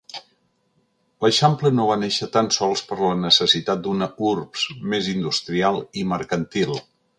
L'eixample no va néixer tan sols per la necessitat d'una urbs més industrial i mercantil.